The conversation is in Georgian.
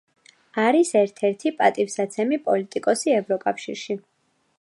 არის ერთ-ერთი პატივსაცემი პოლიტიკოსი ევროკავშირში.